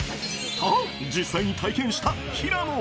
と、実際に体験した平野。